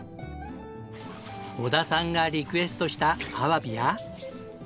織田さんがリクエストしたアワビや。